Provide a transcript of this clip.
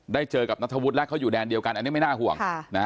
เจอกับนัทธวุฒิและเขาอยู่แดนเดียวกันอันนี้ไม่น่าห่วง